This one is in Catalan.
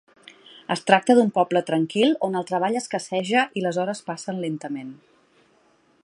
Es tracta d'un poble tranquil on el treball escasseja i les hores passen lentament.